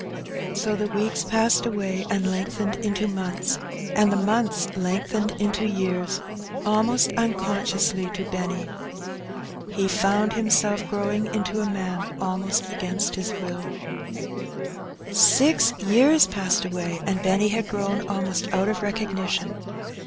So the weeks passed away, and lengthened into months, and the months lengthened into years, almost unconsciously to Benny. He found himself growing into a man almost against his will. ^^%^^%^^^^^^^^^^^^^^^ Six years passed away, and Benny had grown almost out of recognition.